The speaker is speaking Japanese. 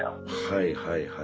はいはいはい。